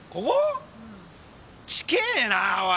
近えなあおい。